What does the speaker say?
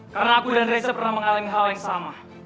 karena aku dan reza pernah mengalami hal yang sama